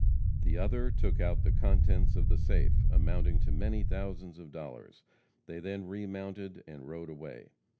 The other took out the contents of the safe, amounting to many thousands of dollars; they then remounted and rode away.